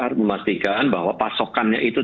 harus memastikan bahwa pasokannya itu